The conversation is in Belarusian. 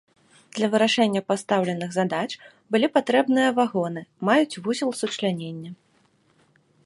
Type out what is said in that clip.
Для вырашэння пастаўленых задач былі патрэбныя вагоны маюць вузел сучлянення.